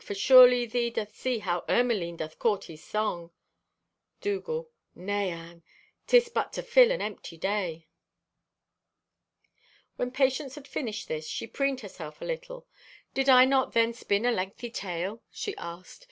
For surely thee doth see how Ermaline doth court his song." Dougal.—"Nay, Anne, 'tis but to fill an empty day." When Patience had finished this she preened herself a little. "Did I not then spin a lengthy tale?" she asked.